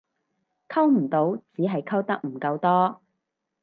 溝唔到只係溝得唔夠多